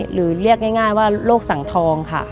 หรือเรียกง่ายว่าโรคสังทองค่ะ